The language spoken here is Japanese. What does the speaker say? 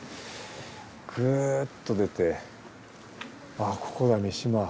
グーッと出てここだ見島。